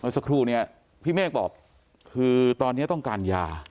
สักครู่เนี่ยพี่เมฆบอกคือตอนนี้ต้องการยา